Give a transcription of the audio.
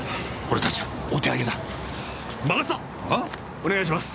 お願いします